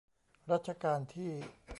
รัชกาลที่